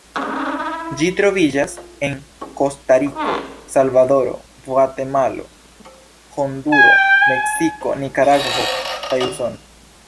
Ĝi troviĝas en Kostariko, Salvadoro, Gvatemalo, Honduro, Meksiko, Nikaragvo kaj Usono.